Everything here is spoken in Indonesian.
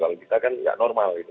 kalau kita kan nggak normal gitu